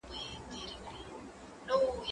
ليکنه د زده کوونکي له خوا کيږي،